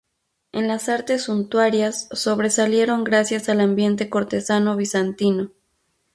En las artes suntuarias sobresalieron gracias al ambiente cortesano bizantino.